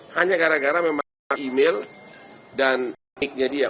hanya gara gara memang email dan tekniknya dia